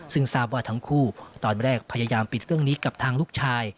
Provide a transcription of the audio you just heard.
ซึ่งทราบว่าทั้งคู่ตอนแรกพยายามปิดเรื่องนี้กับทางลูกชาย